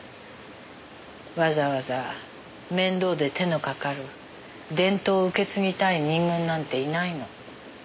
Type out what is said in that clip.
わざわざ面倒で手のかかる伝統を受け継ぎたい人間なんていないの。